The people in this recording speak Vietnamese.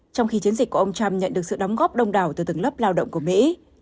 trong khi chiến dịch của ông trump nhận được sự đóng góp đông đảo từ tầng lớp lao động của mỹ